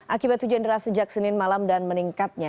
akibat hujan deras sejak senin malam dan meningkatnya